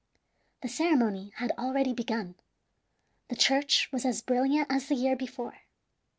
The ceremony had already begun. The church was as brilliant as the year before.